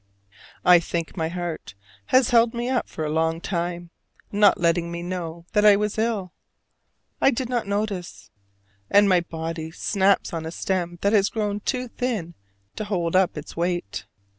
I think my heart has held me up for a long time, not letting me know that I was ill: I did not notice. And now my body snaps on a stem that has grown too thin to hold up its weight.